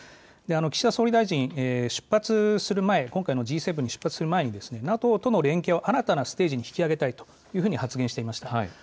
岸田総理大臣、出発する前、今回のＧ７に出発する前にＮＡＴＯとの連携を新たなステージに引き上げたいと発言していました。